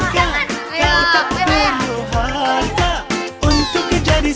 kalian mau ikutan